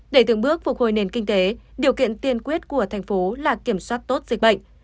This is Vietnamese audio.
để từng bước phục hồi nền kinh tế điều kiện tiên quyết của thành phố là kiểm soát tốt dịch bệnh